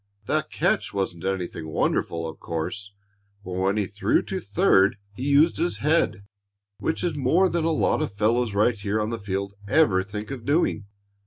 That catch wasn't anything wonderful, of course, but when he threw to third he used his head, which is more than a lot of fellows right here on the field ever think of doing."